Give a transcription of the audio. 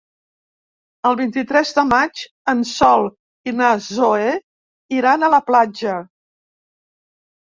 El vint-i-tres de maig en Sol i na Zoè iran a la platja.